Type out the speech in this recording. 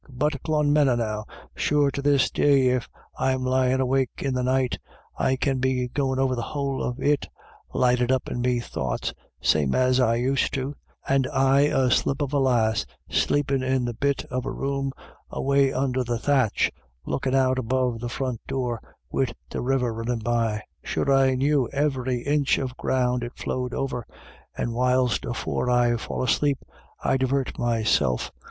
But Clonmena, now, sure to this day if I'm lyin' awake in the night, I can be goin' over the whole of it, lighted up in me thoughts, same as I used to, and I a slip of a lass sleepin' in the bit of a room away under the thatch, lookin' out above the front door, wid the river runnin' by. Sure I knew ivery inch of ground it flowed over, and whiles afore I'd fall asleep, I'd divart meself 264 IRISH ID YLLS.